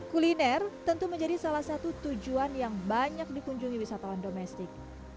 kuliner tentu menjadi salah satu tujuan yang banyak dikunjungi wisatawan domestik